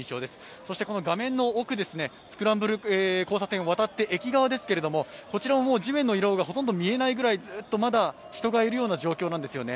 そして画面の奥、スクランブル交差点を渡って駅側ですけれどもこちらももう地面の色がほとんど見えないぐらいずっとまだ人がいるような状況なんですよね。